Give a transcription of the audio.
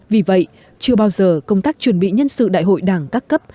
vì vậy chưa bao giờ công tác chuẩn bị nhân sự đại hội đảng các cấp